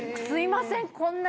すいませんもう。